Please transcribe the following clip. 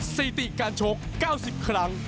สถิติการชก๙๐ครั้ง